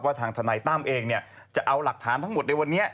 ทางทนายตั้มเองจะเอาหลักฐานทั้งหมดในวันนี้